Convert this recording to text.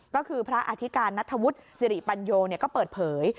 ก็คือพระอธิการนัทธวุฒิสิริปัญโยก็เปิดเผย